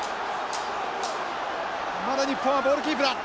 まだ日本はボールキープだ。